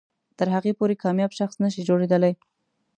تر هغې پورې کامیاب شخص نه شئ جوړېدلی.